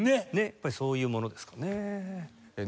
やっぱりそういうものですかねえ。